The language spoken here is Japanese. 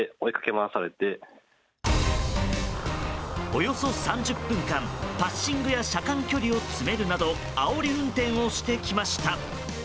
およそ３０分間、パッシングや車間距離を詰めるなどあおり運転をしてきました。